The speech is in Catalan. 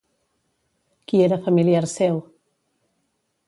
Qui era familiar seu?